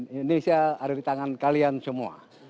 dua ribu empat puluh indonesia ada di tangan kalian semua